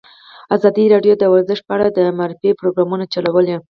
ازادي راډیو د ورزش په اړه د معارفې پروګرامونه چلولي.